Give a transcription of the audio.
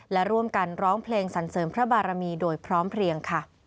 และร่วมกันร้องเพลงสรรเสริมพระบารมีโดยพร้อมเพลียงค่ะ